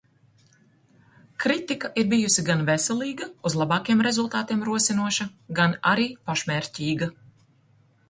Kritika ir bijusi gan veselīga, uz labākiem rezultātiem rosinoša, gan arī pašmērķīga.